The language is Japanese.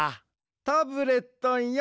タブレットンよ。